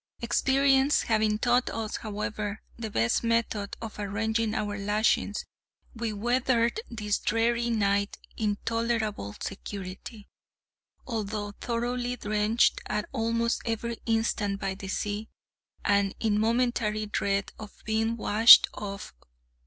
Experience having taught us, however, the best method of arranging our lashings, we weathered this dreary night in tolerable security, although thoroughly drenched at almost every instant by the sea, and in momentary dread of being washed off.